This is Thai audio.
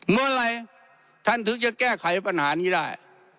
เมื่อไหร่ท่านถึงจะแก้ไขปัญหานี้ได้